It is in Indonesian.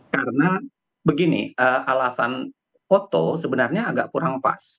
karena begini alasan foto sebenarnya agak kurang pas